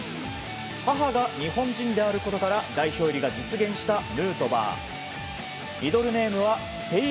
母が日本人であることから代表入りが実現したヌートバー。